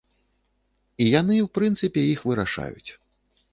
І яны, у прынцыпе, іх вырашаюць.